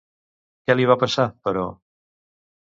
Què li va passar, però?